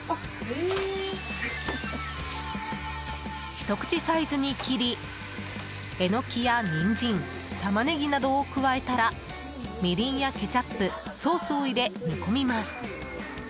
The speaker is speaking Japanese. ひと口サイズに切りエノキやニンジンタマネギなどを加えたらみりんやケチャップソースを入れ、煮込みます。